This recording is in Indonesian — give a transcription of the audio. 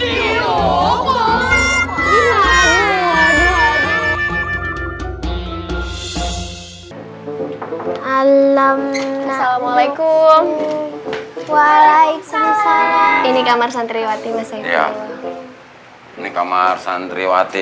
alam assalamualaikum waalaikumsalam ini kamar santriwati masa itu ini kamar santriwati